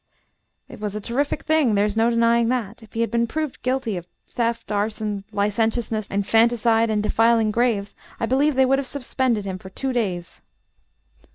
"It was a terrific thing there is no denying that. If he had been proven guilty of theft, arson, licentiousness, infanticide, and defiling graves, I believe they would have suspended him for two days."